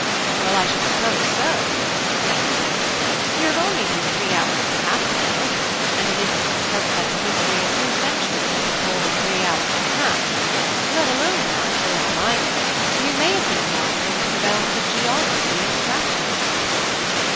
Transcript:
"Well, I should suppose so," said Dick; "you have only been three hours and a half together; and it isn't to be hoped that the history of two centuries could be told in three hours and a half: let alone that, for all I know, you may have been wandering into the realms of geography and craftsmanship."